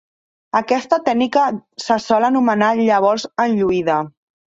Aquesta tècnica se sol anomenar llavors enlluïda.